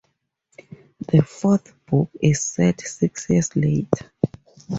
The fourth book is set six years later.